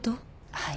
はい。